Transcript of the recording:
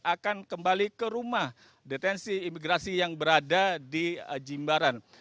akan kembali ke rumah detensi imigrasi yang berada di jimbaran